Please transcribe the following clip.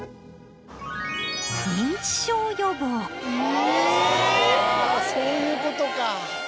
あぁそういうことか！